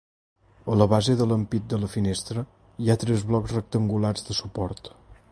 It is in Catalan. A la base de l'ampit de la finestra hi ha tres blocs rectangulars de suport.